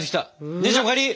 姉ちゃんお帰り。